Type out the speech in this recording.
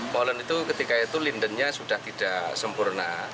poland itu ketika itu lindennya sudah tidak sempurna